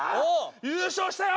優勝したよ！